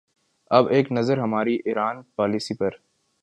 اب ایک نظر ہماری ایران پالیسی پر۔